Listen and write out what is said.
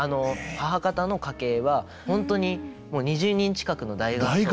母方の家系は本当にもう２０人近くの大合奏が。